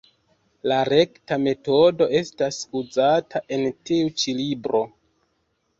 La rekta metodo estas uzata en tiu ĉi libro.